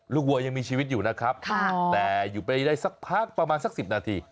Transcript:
วัวยังมีชีวิตอยู่นะครับแต่อยู่ไปได้สักพักประมาณสัก๑๐นาที